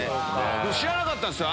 知らなかったんすよ